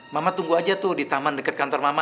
mama tunggu aja tuh di taman dekat kantor mama